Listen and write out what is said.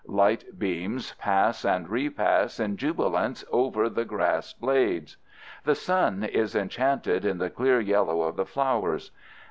Light beams pass and repass in jubilance over the grass blades. The sun is enchanted in the clear yellow of the flowers.